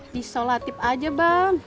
di sholatip aja bang